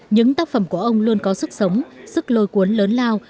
những tác phẩm của ông luôn có sức sống sức lôi cuốn lớn lao